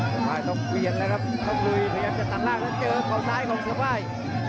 เสื้อพาลต้องเวียนหน้าครับต้องลุยอย่างเติบตั้งรากอีกแล้วจะเจอกล้องซ้ายของเสื้อพาล